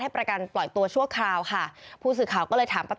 ประกันปล่อยตัวชั่วคราวค่ะผู้สื่อข่าวก็เลยถามป้า